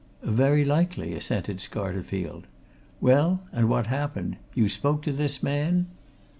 "Very likely," assented Scarterfield. "Well, and what happened? You spoke to this man?"